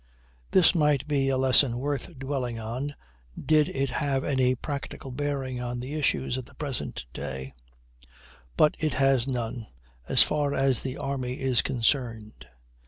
This might be a lesson worth dwelling on did it have any practical bearing on the issues of the present day; but it has none, as far as the army is concerned.